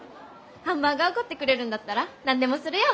ハンバーガーおごってくれるんだったら何でもするよ！